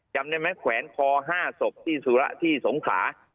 จำได้ไหมแขวนคอ๕ศพที่สุระที่สงขา